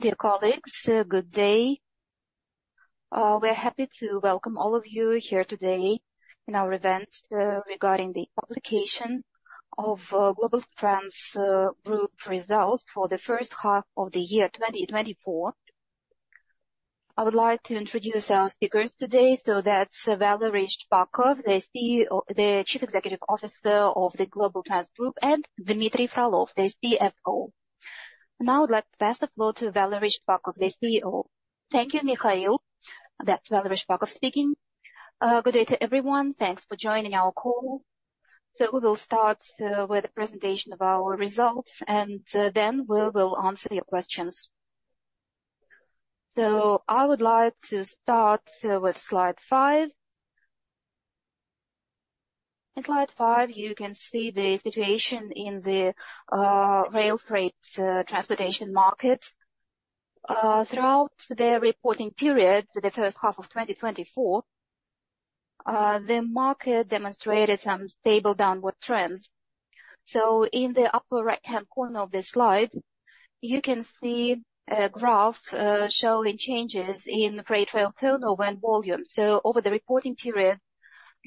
Dear colleagues, good day. We are happy to welcome all of you here today in our event, regarding the publication of Globaltrans Group results for the first half of the year, 2024. I would like to introduce our speakers today, so that's Valery Shpakov, the CEO, the Chief Executive Officer of the Globaltrans Group, and Dmitry Frolov, the CFO. Now, I'd like to pass the floor to Valery Shpakov, the CEO. Thank you, Mikhail. That's Valery Shpakov speaking. Good day to everyone. Thanks for joining our call. So we will start with a presentation of our results, and then we will answer your questions. So I would like to start with slide 5. In slide 5, you can see the situation in the rail freight transportation market. Throughout the reporting period, the first half of 2024, the market demonstrated some stable downward trends. So in the upper right-hand corner of this slide, you can see a graph, showing changes in the freight rail turnover and volume. So over the reporting period,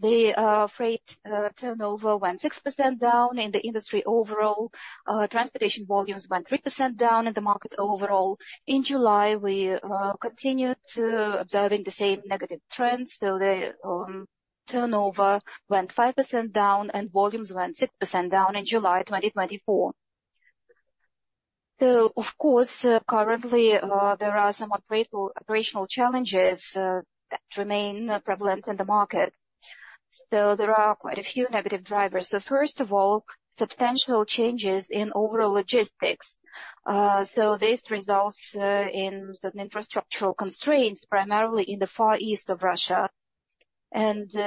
the freight turnover went 6% down in the industry overall. Transportation volumes went 3% down in the market overall. In July, we continued to observing the same negative trends, so the turnover went 5% down and volumes went 6% down in July 2024. So of course, currently, there are some operational challenges that remain prevalent in the market. So there are quite a few negative drivers. So first of all, substantial changes in overall logistics. This results in certain infrastructural constraints, primarily in the Far East of Russia.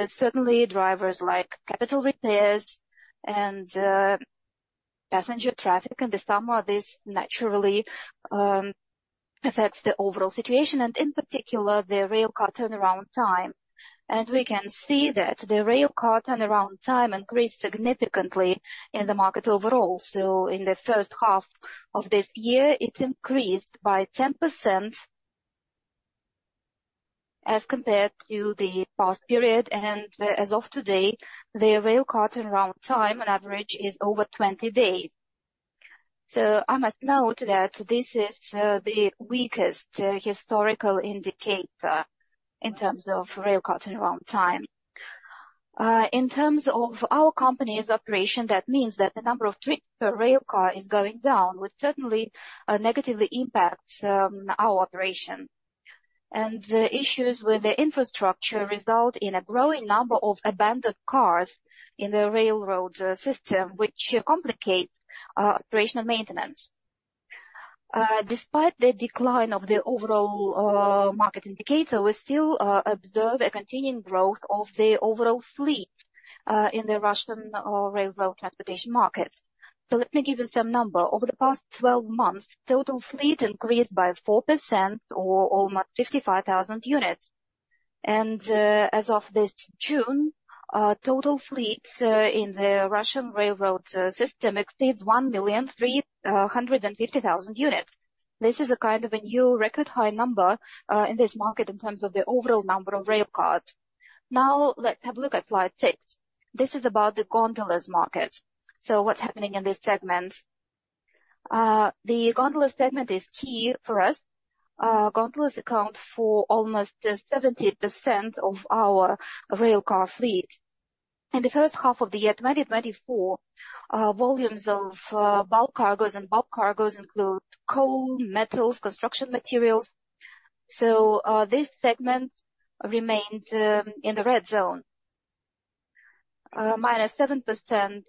Certainly drivers like capital repairs and passenger traffic in the summer naturally affect the overall situation, and in particular, the rail car turnaround time. We can see that the rail car turnaround time increased significantly in the market overall. In the first half of this year, it increased by 10% as compared to the past period, and as of today, the rail car turnaround time on average is over 20 days. I must note that this is the weakest historical indicator in terms of rail car turnaround time. In terms of our company's operation, that means that the number of trips per rail car is going down, which certainly negatively impacts our operation. Issues with the infrastructure result in a growing number of abandoned cars in the railroad system, which complicate operational maintenance. Despite the decline of the overall market indicator, we still observe a continuing growth of the overall fleet in the Russian railroad transportation market. Let me give you some numbers. Over the past 12 months, total fleet increased by 4% or almost 55,000 units. As of this June, total fleet in the Russian railroad system exceeds 1,350,000 units. This is a kind of a new record high number in this market in terms of the overall number of rail cars. Now, let's have a look at slide 6. This is about the gondolas market. What's happening in this segment? The gondolas segment is key for us. Gondolas account for almost 70% of our rail car fleet. In the first half of the year, 2024, volumes of bulk cargos, and bulk cargos include coal, metals, construction materials, so this segment remained in the red zone, -7%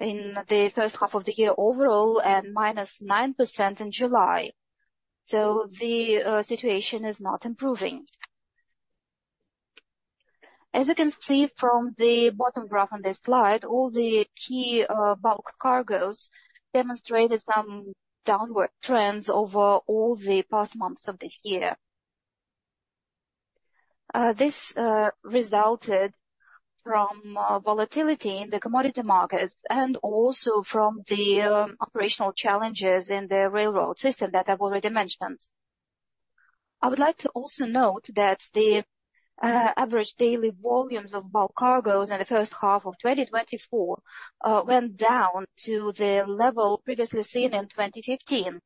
in the first half of the year overall, and -9% in July, so the situation is not improving. As you can see from the bottom graph on this slide, all the key bulk cargos demonstrated some downward trends over all the past months of this year. This resulted from volatility in the commodity markets and also from the operational challenges in the railroad system that I've already mentioned. I would like to also note that the average daily volumes of bulk cargos in the first half of 2024 went down to the level previously seen in 2015.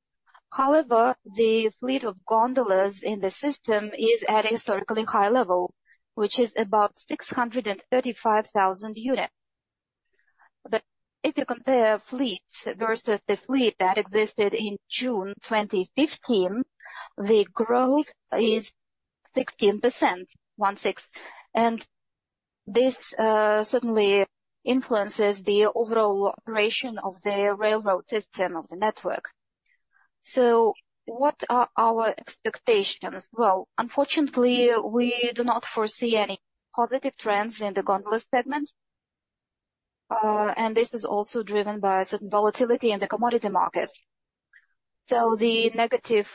However, the fleet of gondolas in the system is at a historically high level, which is about 635,000 units. But if you compare fleets versus the fleet that existed in June 2015, the growth is 16%, one-sixth. And this certainly influences the overall operation of the railroad system of the network. So what are our expectations? Well, unfortunately, we do not foresee any positive trends in the gondolas segment. And this is also driven by certain volatility in the commodity market. So the negative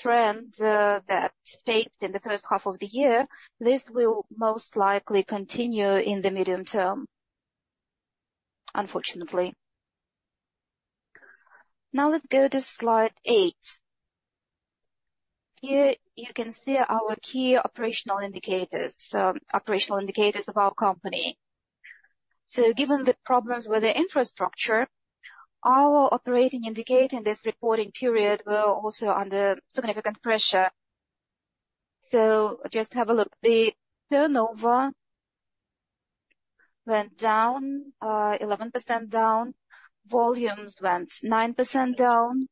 trend that stayed in the first half of the year, this will most likely continue in the medium term... unfortunately. Now let's go to slide eight. Here you can see our key operational indicators, operational indicators of our company. So given the problems with the infrastructure, our operating indicator in this reporting period were also under significant pressure. So just have a look. The turnover went down, 11% down, volumes went 9% down.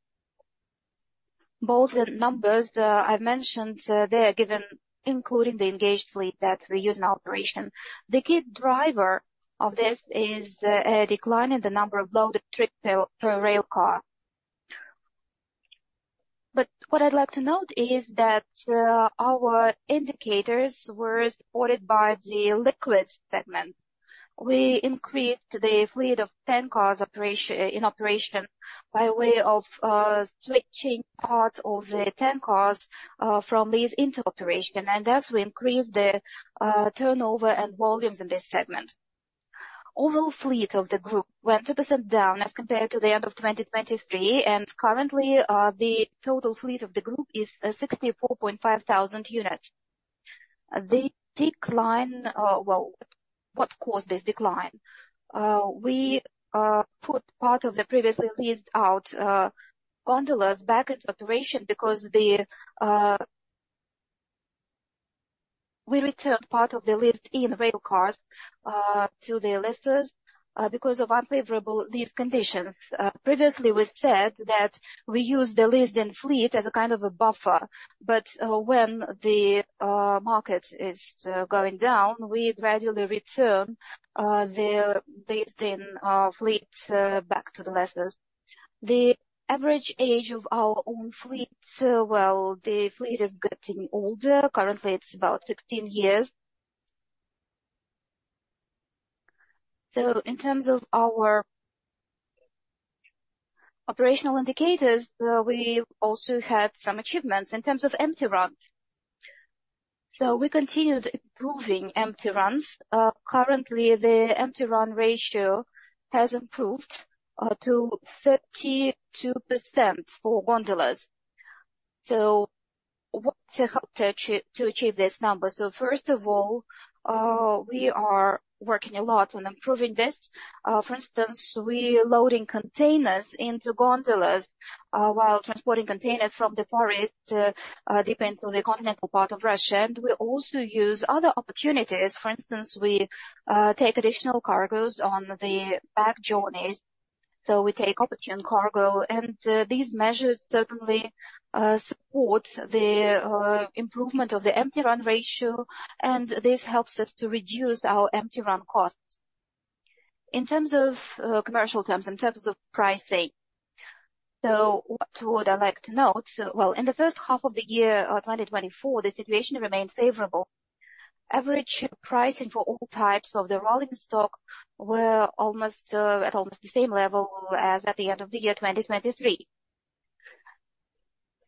Both the numbers that I've mentioned, they are given, including the engaged fleet that we use in operation. The key driver of this is the, decline in the number of loaded trip per rail car. But what I'd like to note is that, our indicators were supported by the liquid segment. We increased the fleet of tank cars in operation, by way of, switching parts of the tank cars, from lease into operation, and thus we increased the, turnover and volumes in this segment. Overall fleet of the group went 2% down as compared to the end of 2023, and currently, the total fleet of the group is 64.500 units. The decline. Well, what caused this decline? We put part of the previously leased out gondolas back into operation because we returned part of the leased in rail cars to the lessors because of unfavorable lease conditions. Previously, we said that we use the leased in fleet as a kind of a buffer, but when the market is going down, we gradually return the leased in fleet back to the lessors. The average age of our own fleet, well, the fleet is getting older. Currently, it's about 16 years. So in terms of our operational indicators, we also had some achievements in terms of empty run. So we continued improving empty runs. Currently, the empty run ratio has improved to 32% for gondolas. So what helped to achieve this number? So first of all, we are working a lot on improving this. For instance, we are loading containers into gondolas while transporting containers from the Far East destined to the continental part of Russia. And we also use other opportunities. For instance, we take additional cargoes on the back journeys, so we take opportune cargo. And these measures certainly support the improvement of the empty run ratio, and this helps us to reduce our empty run costs. In terms of commercial terms, in terms of pricing, so what would I like to note? Well, in the first half of the year, 2024, the situation remains favorable. Average pricing for all types of the rolling stock were almost at almost the same level as at the end of the year 2023.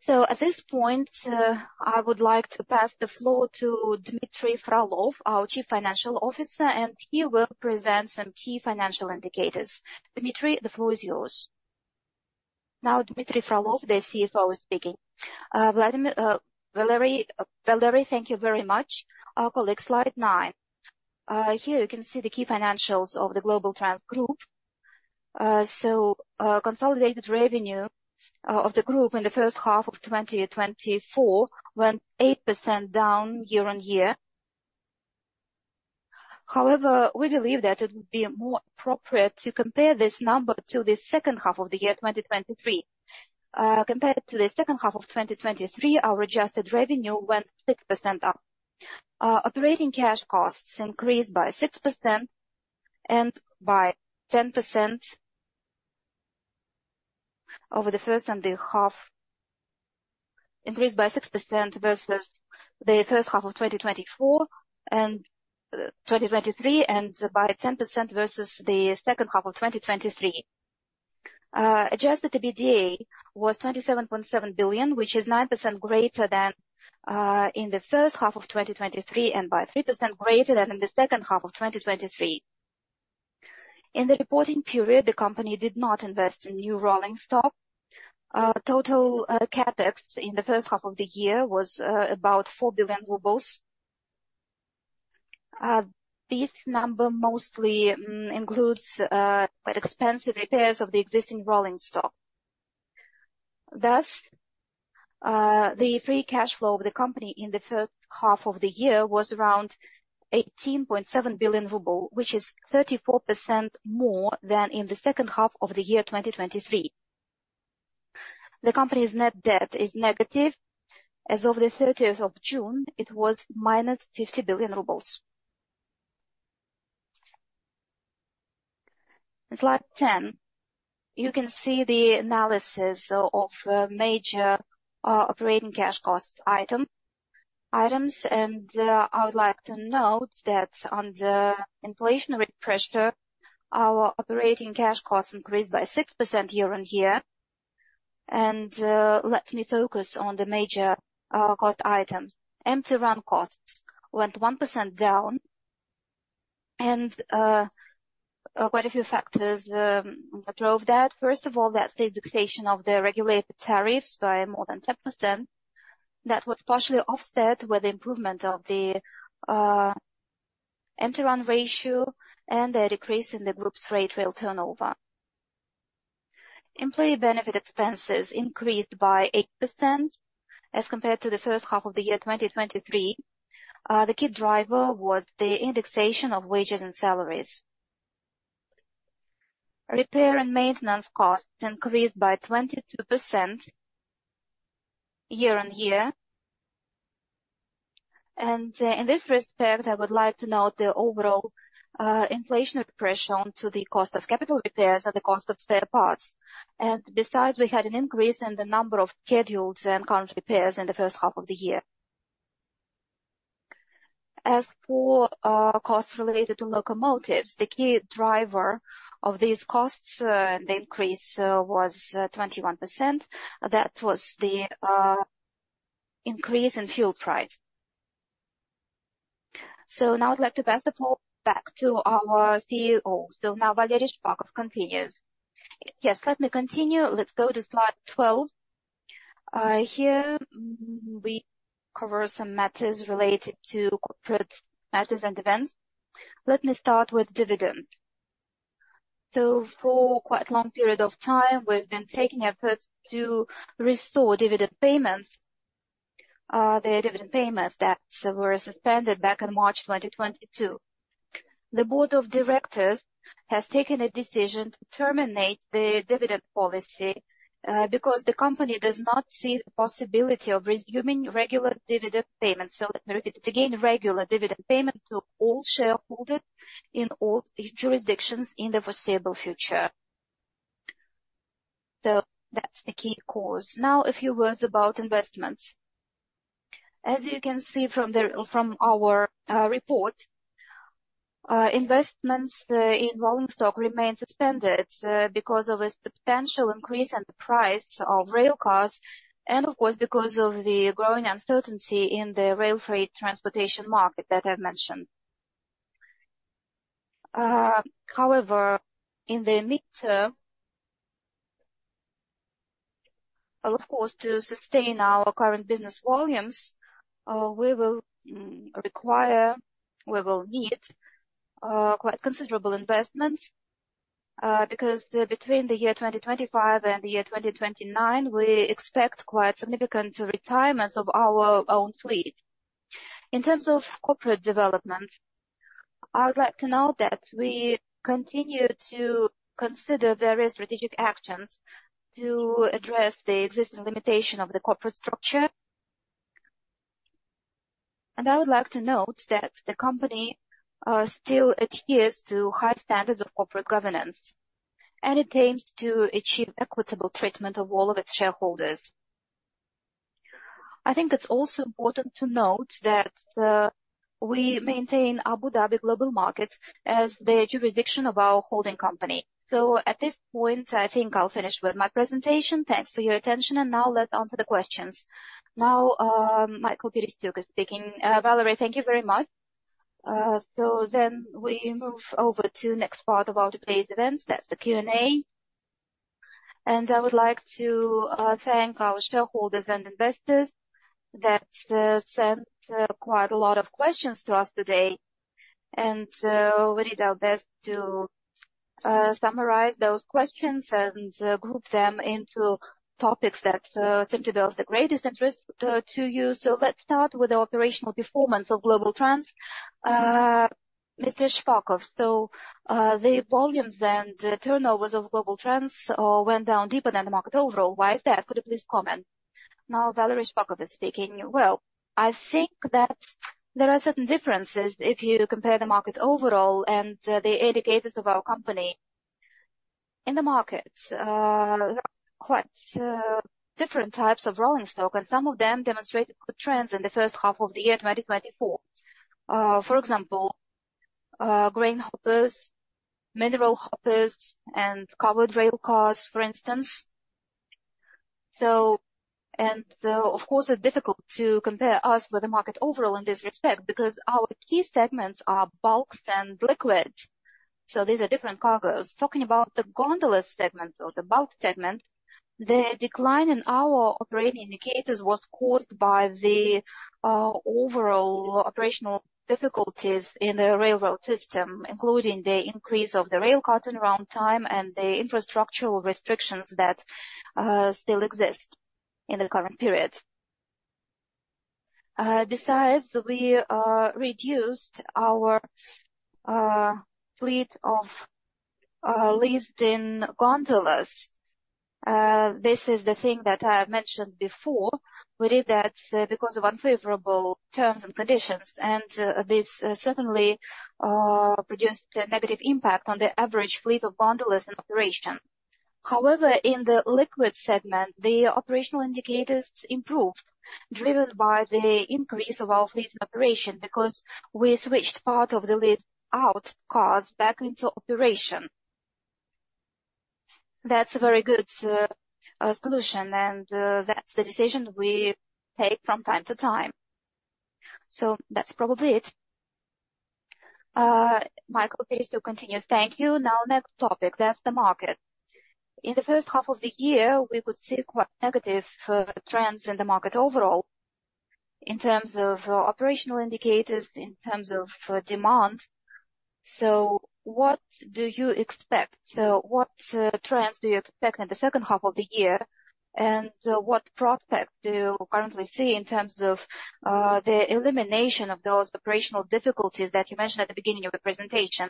So at this point, I would like to pass the floor to Dmitry Frolov, our Chief Financial Officer, and he will present some key financial indicators. Dmitry, the floor is yours. Uh, Vladimir, Valery, thank you very much. I'll collect slide nine. Here you can see the key financials of the Globaltrans Group. So, consolidated revenue of the group in the first half of 2024 went 8% down year on year. However, we believe that it would be more appropriate to compare this number to the second half of the year 2023. Compared to the second half of 2023, our adjusted revenue went 6% up. Operating cash costs increased by 6% and by 10% over the first half, increased by 6% versus the first half of 2024 and 2023, and by 10% versus the second half of 2023. Adjusted EBITDA was 27.7 billion RUB, which is 9% greater than in the first half of 2023, and by 3% greater than in the second half of 2023. In the reporting period, the company did not invest in new rolling stock. Total CapEx in the first half of the year was about 4 billion rubles. This number mostly includes quite expensive repairs of the existing rolling stock. Thus, the free cash flow of the company in the first half of the year was around 18.7 billion rubles, which is 34% more than in the second half of 2023. The company's net debt is negative. As of June 30, it was -50 billion rubles. Slide 10, you can see the analysis of major operating cash costs items. I would like to note that under inflationary pressure, our operating cash costs increased by 6% year on year, and let me focus on the major cost items. Empty run costs went 1% down, and quite a few factors drove that. First of all, that state fixation of the regulated tariffs by more than 10%, that was partially offset with improvement of the empty run ratio and a decrease in the group's freight rail turnover. Employee benefit expenses increased by 8% as compared to the first half of the year, 2023. The key driver was the indexation of wages and salaries. Repair and maintenance costs increased by 22% year on year, and in this respect, I would like to note the overall inflation pressure onto the cost of capital repairs and the cost of spare parts, and besides, we had an increase in the number of scheduled and current repairs in the first half of the year. As for costs related to locomotives, the key driver of these costs, the increase was 21%. That was the increase in fuel price. So now I'd like to pass the floor back to our CEO. So now Valery Shpakov continues. Yes, let me continue. Let's go to slide 12. Here, we cover some matters related to corporate matters and events. Let me start with dividend. So for quite a long period of time, we've been taking efforts to restore dividend payments, the dividend payments that were suspended back in March 2022. The Board of Directors has taken a decision to terminate the dividend policy, because the company does not see the possibility of resuming regular dividend payments. So let me read it again, regular dividend payment to all shareholders in all jurisdictions in the foreseeable future. So that's the key cause. Now, a few words about investments. As you can see from our report, investments in rolling stock remain suspended because of a substantial increase in the price of rail cars, and of course, because of the growing uncertainty in the rail freight transportation market that I've mentioned. However, in the midterm, of course, to sustain our current business volumes, we will require, we will need quite considerable investment because between the year 2025 and the year 2029, we expect quite significant retirements of our own fleet. In terms of corporate development, I would like to note that we continue to consider various strategic actions to address the existing limitation of the corporate structure. I would like to note that the company still adheres to high standards of corporate governance, and it aims to achieve equitable treatment of all of its shareholders. I think it's also important to note that, we maintain Abu Dhabi Global Market as the jurisdiction of our holding company. So at this point, I think I'll finish with my presentation. Thanks for your attention, and now let's answer the questions. Now, Mikhail Perestyuk is speaking. Valery, thank you very much. So then we move over to next part of our today's events. That's the Q&A. I would like to thank our shareholders and investors that sent quite a lot of questions to us today. We did our best to summarize those questions and group them into topics that seem to be of the greatest interest to you. So let's start with the operational performance of Globaltrans. Mr. Shpakov, so, the volumes and turnovers of Globaltrans went down deeper than the market overall. Why is that? Could you please comment? Now Valery Shpakov is speaking. Well, I think that there are certain differences if you compare the market overall and the indicators of our company. In the market, there are quite different types of rolling stock, and some of them demonstrated good trends in the first half of the year, twenty twenty-four. For example, grain hoppers, mineral hoppers and covered rail cars, for instance. So and, of course, it's difficult to compare us with the market overall in this respect, because our key segments are bulk and liquids, so these are different cargos. Talking about the gondola segment or the bulk segment, the decline in our operating indicators was caused by the overall operational difficulties in the railroad system, including the increase of the railcar turnaround time and the infrastructural restrictions that still exist in the current period. Besides, we reduced our fleet of leased-in gondolas. This is the thing that I have mentioned before. We did that because of unfavorable terms and conditions, and this certainly produced a negative impact on the average fleet of gondolas in operation. However, in the liquid segment, the operational indicators improved, driven by the increase of our fleet in operation, because we switched part of the leased-out cars back into operation. That's a very good solution, and that's the decision we take from time to time. So that's probably it. Mikhail Perestyuk continues: Thank you. Now, next topic, that's the market. In the first half of the year, we could see quite negative trends in the market overall, in terms of operational indicators, in terms of demand. So what do you expect? So what trends do you expect in the second half of the year, and what prospect do you currently see in terms of the elimination of those operational difficulties that you mentioned at the beginning of the presentation?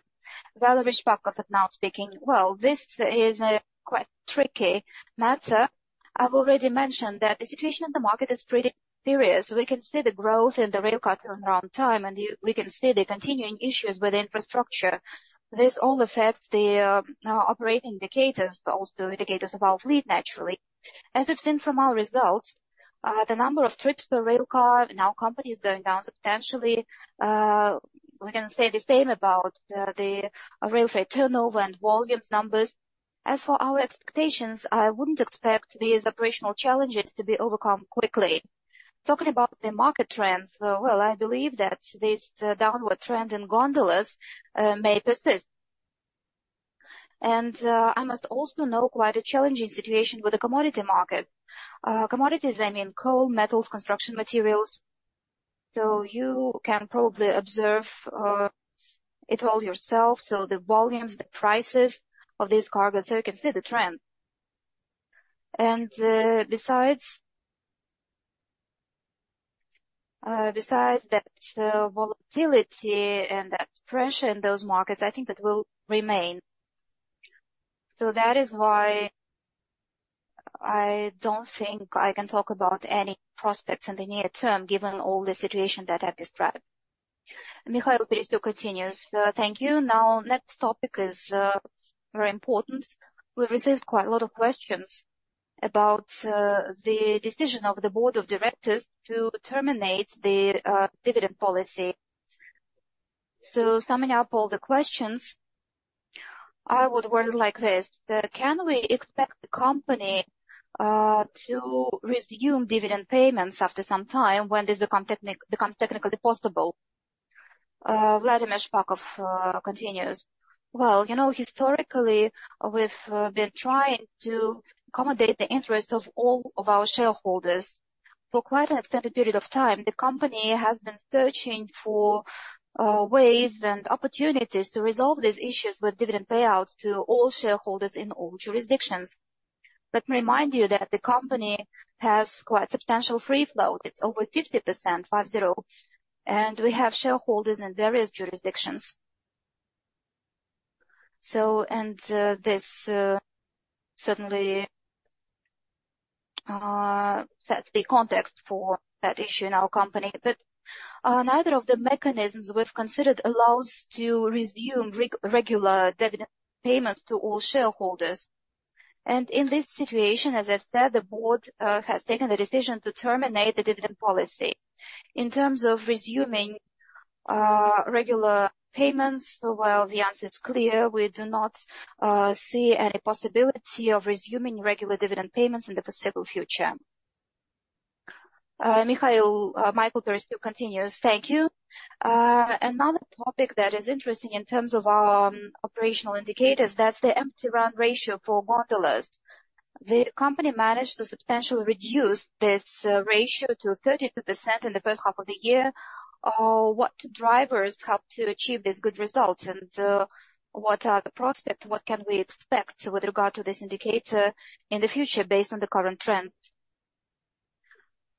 Valery Shpakov is now speaking. Well, this is a quite tricky matter. I've already mentioned that the situation in the market is pretty serious. We can see the growth in the rail cargo in ton-kilometers, and we can see the continuing issues with infrastructure. This all affects the operating indicators, but also indicators of our fleet, naturally. As you've seen from our results, the number of trips per rail car in our company is going down substantially. We can say the same about the rail freight turnover and volumes numbers. As for our expectations, I wouldn't expect these operational challenges to be overcome quickly. Talking about the market trends, well, I believe that this downward trend in gondolas may persist. And I must also note quite a challenging situation with the commodity market. Commodities, I mean, coal, metals, construction materials. So you can probably observe it all yourself. So the volumes, the prices of this cargo, so you can see the trend. And besides that, volatility and that pressure in those markets, I think that will remain. So that is why I don't think I can talk about any prospects in the near term, given all the situation that I've described. Thank you. Now, next topic is very important. We've received quite a lot of questions about the decision of the Board of Directors to terminate the dividend policy. So summing up all the questions, I would word it like this, that can we expect the company to resume dividend payments after some time when this becomes technically possible? Well, you know, historically, we've been trying to accommodate the interest of all of our shareholders. For quite an extended period of time, the company has been searching for ways and opportunities to resolve these issues with dividend payouts to all shareholders in all jurisdictions. Let me remind you that the company has quite substantial free float. It's over 50%, 50, and we have shareholders in various jurisdictions. So this certainly that's the context for that issue in our company. But neither of the mechanisms we've considered allows to resume regular dividend payments to all shareholders. And in this situation, as I've said, the board has taken the decision to terminate the dividend policy. In terms of resuming regular payments, well, the answer is clear: we do not see any possibility of resuming regular dividend payments in the foreseeable future. Mikhail Perestyuk continues: Thank you. Another topic that is interesting in terms of our operational indicators, that's the empty run ratio for gondolas. The company managed to substantially reduce this ratio to 32% in the first half of the year. What drivers helped to achieve these good results? And, what are the prospects? What can we expect with regard to this indicator in the future based on the current trend?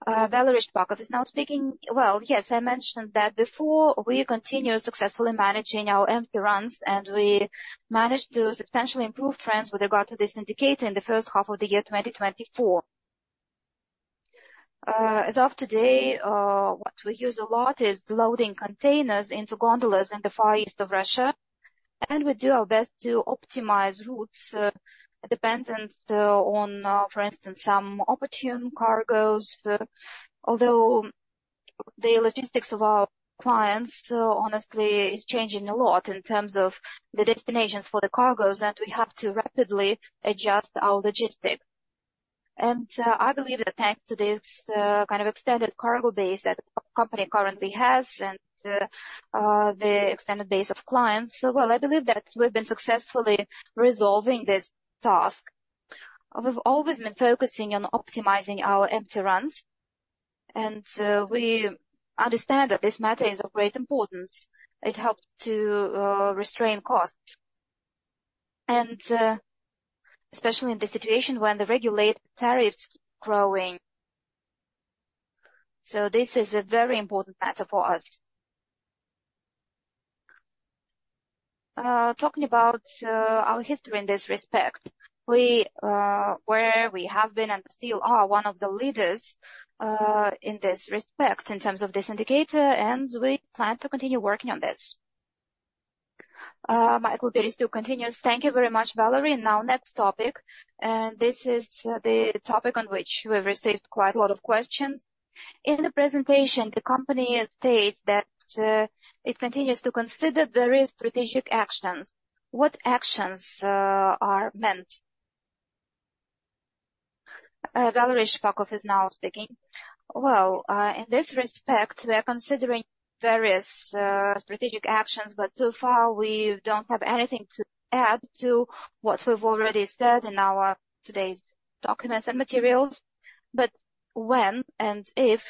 Valery Shpakov is now speaking. Well, yes, I mentioned that before we continue successfully managing our empty runs, and we managed to substantially improve trends with regard to this indicator in the first half of the year, 2024. As of today, what we use a lot is loading containers into gondolas in the Far East of Russia, and we do our best to optimize routes dependent on, for instance, some opportune cargoes. Although the logistics of our clients, honestly, is changing a lot in terms of the destinations for the cargoes, and we have to rapidly adjust our logistics. And, I believe that thanks to this, kind of extended cargo base that our company currently has and, the extended base of clients, well, I believe that we've been successfully resolving this task. We've always been focusing on optimizing our empty runs, and, we understand that this matter is of great importance. It helps to, restrain costs, and, especially in the situation when the regulated tariff's growing. So this is a very important matter for us. Talking about our history in this respect, we have been and still are one of the leaders in this respect, in terms of this indicator, and we plan to continue working on this. Mikhail Perestyuk continues: Thank you very much, Valery. Now, next topic, and this is the topic on which we've received quite a lot of questions. In the presentation, the company states that it continues to consider various strategic actions. What actions are meant... Valery Shpakov is now speaking. Well, in this respect, we are considering various strategic actions, but so far, we don't have anything to add to what we've already said in our today's documents and materials. But when and if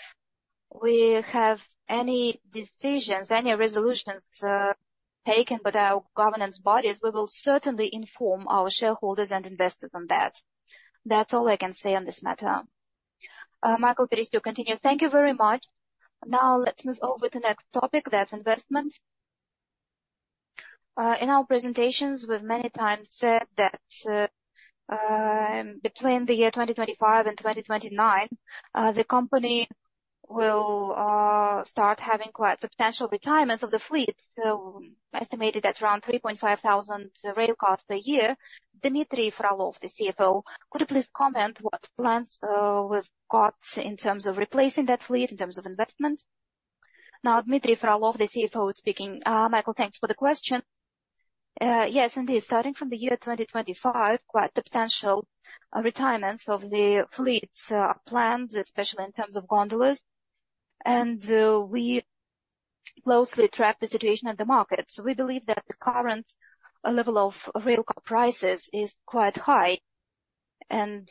we have any decisions, any resolutions taken by our governance bodies, we will certainly inform our shareholders and investors on that. That's all I can say on this matter. Mikhail Perestyuk continues: Thank you very much. Now, let's move over to the next topic, that's investment. In our presentations, we've many times said that, between 2025 and 2029, the company will start having quite substantial retirements of the fleet, so estimated at around 3,500 rail cars per year. Dmitry Frolov, the CFO, could you please comment what plans we've got in terms of replacing that fleet, in terms of investment? Now, Dmitry Frolov, the CFO, is speaking. Michael, thanks for the question. Yes, indeed, starting from 2025, quite substantial retirements of the fleet are planned, especially in terms of gondolas. We closely track the situation in the market. So we believe that the current level of rail car prices is quite high, and,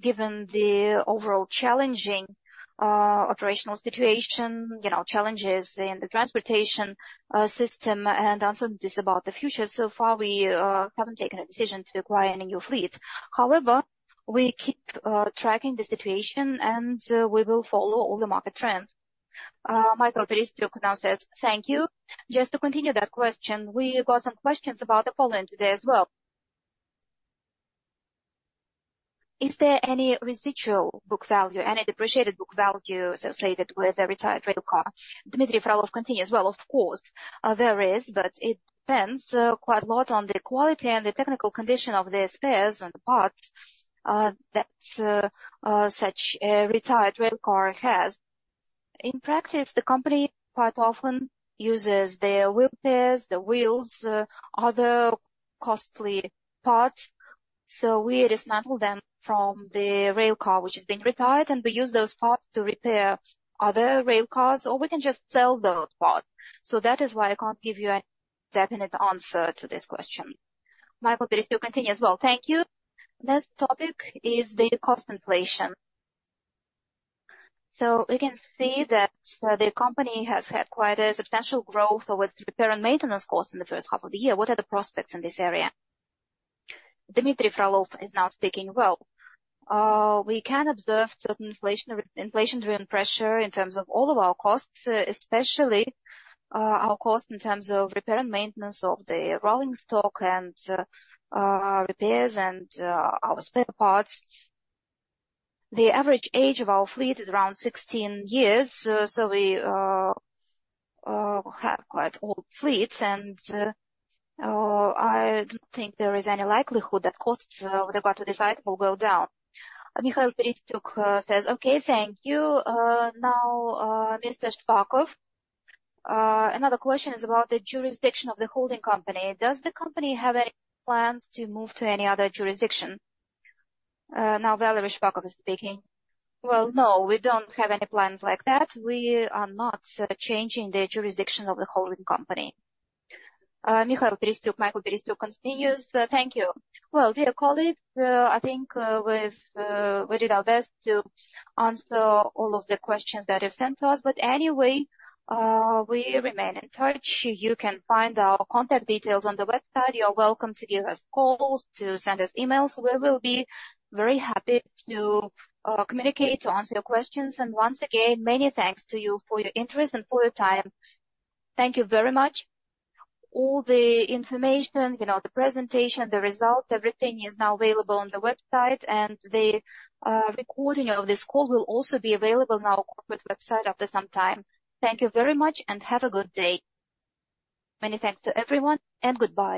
given the overall challenging, operational situation, you know, challenges in the transportation, system and uncertainties about the future, so far, we haven't taken a decision to acquire any new fleet. However, we keep, tracking the situation, and, we will follow all the market trends. Mikhail Perestyuk now says, thank you. Just to continue that question, we got some questions about the plan today as well. Is there any residual book value, any depreciated book value associated with a retired rail car? Dmitry Frolov continues: Well, of course, there is, but it depends, quite a lot on the quality and the technical condition of the spares and the parts, that, such a retired rail car has. In practice, the company quite often uses their wheel pairs, the wheels, other costly parts, so we dismantle them from the rail car which has been retired, and we use those parts to repair other rail cars, or we can just sell the part. So that is why I can't give you a definite answer to this question. Mikhail Perestyuk continues. Well, thank you. Next topic is the cost inflation. So we can see that, the company has had quite a substantial growth over its repair and maintenance costs in the first half of the year. What are the prospects in this area? Dmitry Frolov is now speaking. Well, we can observe certain inflation, inflation-driven pressure in terms of all of our costs, especially, our costs in terms of repair and maintenance of the rolling stock and, repairs and, our spare parts. The average age of our fleet is around 16 years, so we have quite old fleets, and I don't think there is any likelihood that costs with regard to this item will go down. Mikhail Perestyuk says, "Okay, thank you." Now, Mr. Shpakov, another question is about the jurisdiction of the holding company. Does the company have any plans to move to any other jurisdiction? Now, Valery Shpakov is speaking. Well, no, we don't have any plans like that. We are not changing the jurisdiction of the holding company. Mikhail Perestyuk continues: Thank you. Well, dear colleagues, I think we did our best to answer all of the questions that you've sent to us. But anyway, we remain in touch. You can find our contact details on the website. You are welcome to give us calls, to send us emails. We will be very happy to communicate, to answer your questions. And once again, many thanks to you for your interest and for your time. Thank you very much. All the information, you know, the presentation, the results, everything is now available on the website, and the recording of this call will also be available on our corporate website after some time. Thank you very much, and have a good day. Many thanks to everyone, and goodbye.